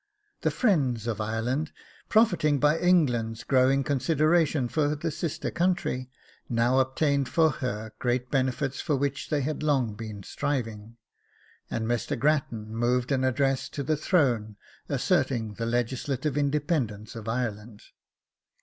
The friends of Ireland, profiting by England's growing consideration for the sister country, now obtained for her great benefits for which they had long been striving, and Mr. Grattan moved an address to the throne asserting the legislative independence of Ireland.